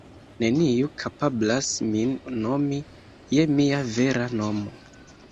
Neniu kapablas min nomi je mia vera nomo.